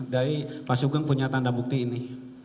dari pak sugeng punya tanda bukti ini